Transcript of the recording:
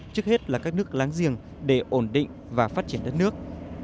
trước hết là các nước láng giềng để ổn định và phát triển đất nước